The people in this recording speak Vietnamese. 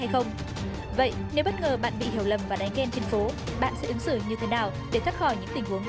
không vì một thằng đàn ông mà mình đánh thì người phụ nữ cũng là như mình